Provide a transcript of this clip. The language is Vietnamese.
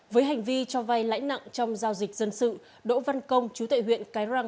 với hành vi cho vay lãi nặng trong giao dịch dân sự đỗ văn công chú tệ huyện cái răng